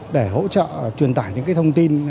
để hỗ trợ truyền tải những cái thông tin